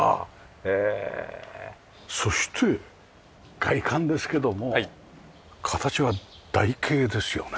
そして外観ですけども形は台形ですよね？